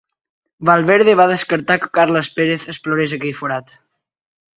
Valverde va descartar que Carles Pérez explorés aquell forat.